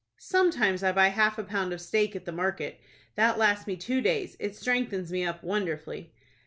"Sometimes I buy half a pound of steak at the market. That lasts me two days. It strengthens me up wonderfully."